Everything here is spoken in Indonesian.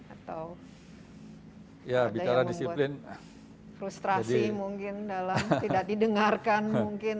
atau ada yang membuat frustrasi mungkin dalam tidak didengarkan mungkin